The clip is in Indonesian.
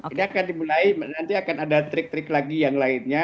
ini akan dimulai nanti akan ada trik trik lagi yang lainnya